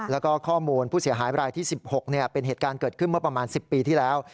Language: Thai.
แล้วก็ข้อมูลผู้เสียหายรายที่๑๖เป็นเหตุการณ์เกิดขึ้นเมื่อประมาณ๑๐ปีที่แล้ว